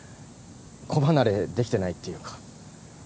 子離れできてないっていうか。